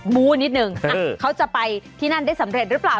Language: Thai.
บู้นิดนึงเขาจะไปที่นั่นได้สำเร็จหรือเปล่า